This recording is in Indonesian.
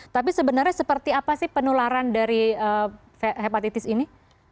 tapi sebenarnya seperti apa sih penularan dari hepatitis ini